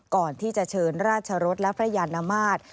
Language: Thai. ก่อนที่จะเชิญราชรสและพระยานมาตร